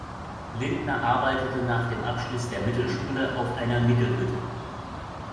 Lindner arbeitete nach dem Abschluss der Mittelschule auf einer Nickel-Hütte.